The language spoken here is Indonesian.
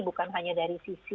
bukan hanya dari sisi